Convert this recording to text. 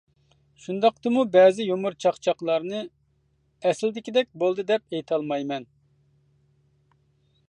شۇنداقتىمۇ بەزى يۇمۇر-چاقچاقلارنى ئەسلىدىكىدەك بولدى دەپ ئېيتالمايمەن.